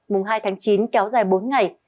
mùng hai tháng chín kéo dài bốn ngày